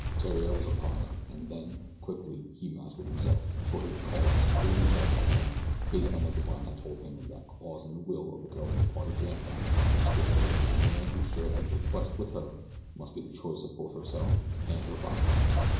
Theriere was upon her, and then, quickly, he mastered himself, for he recalled his coolly thought out plan based on what Divine had told him of that clause in the will of the girl's departed grandparent which stipulated that the man who shared the bequest with her must be the choice of both herself and her father.